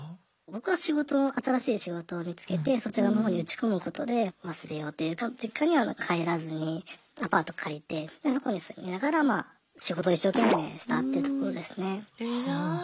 僕は仕事を新しい仕事を見つけてそちらの方に打ち込むことで忘れようというか実家には帰らずにアパート借りてそこに住みながら仕事を一生懸命したっていうところですね。